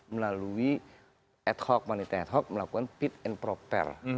melalui ad hoc moneyte ad hoc melakukan fit and proper